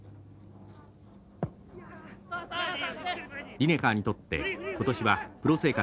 リネカーにとって今年はプロ生活